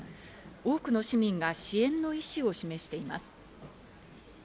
多くの市民が支援の意思を示しています。